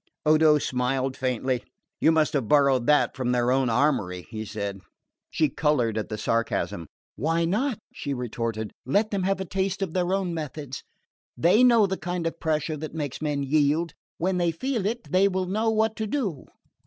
Odo smiled faintly. "You might have borrowed that from their own armoury," he said. She coloured at the sarcasm. "Why not?" she retorted. "Let them have a taste of their own methods! They know the kind of pressure that makes men yield when they feel it they will know what to do."